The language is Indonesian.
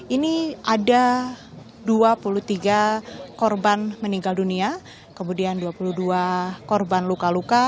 ini ada dua puluh tiga korban meninggal dunia kemudian dua puluh dua korban luka luka